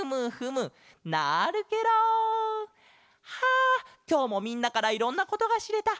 あきょうもみんなからいろんなことがしれた。